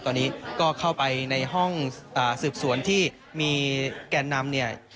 ตอนนี้ก็เข้าไปในห้องสืบสวนที่มีแกนนำเนี่ย